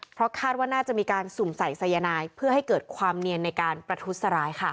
เพราะคาดว่าน่าจะมีการสุ่มใส่สายนายเพื่อให้เกิดความเนียนในการประทุษร้ายค่ะ